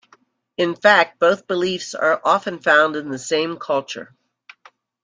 In fact both beliefs are often found in the same culture.